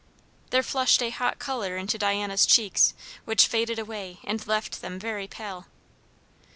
There flushed a hot colour into Diana's cheeks, which faded away and left them very pale.